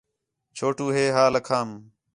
چھوٹو ہے ہا لَکھام